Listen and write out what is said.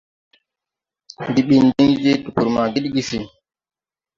Ndi ɓin diŋ je tpur ma Gidgisi.